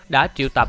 đã triệu tập